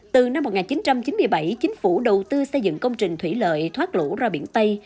từ năm một nghìn chín trăm chín mươi bảy chính phủ đầu tư xây dựng công trình thủy lợi thoát lũ ra biển tây